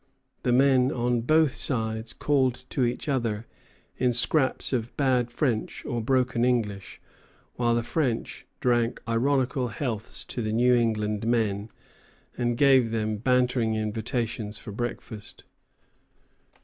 The men on both sides called to each other in scraps of bad French or broken English; while the French drank ironical healths to the New England men, and gave them bantering invitations to breakfast.